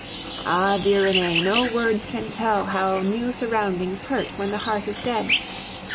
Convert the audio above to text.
Ah! dear Renee, no words can tell how new surroundings hurt when the heart is dead.